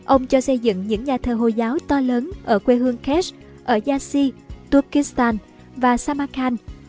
ông cho xây dựng những nhà thơ hồi giáo to lớn ở quê hương kesh ở yasi turkestan và samarkand